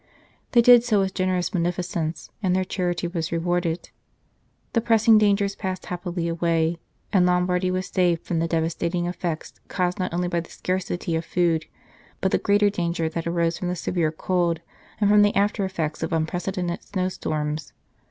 They did so with generous munificence, and their charity was rewarded ; the pressing dangers passed happily away, and Lombardy was saved from the devastating effects caused not only by the scarcity of food, but the greater danger that arose from the severe cold and from the after effects of unprecedented snow storms.